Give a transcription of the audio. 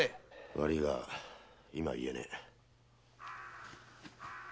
悪いが今は言えねえ。